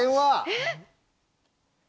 えっ！